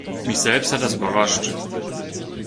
Mich selbst hat das überrascht.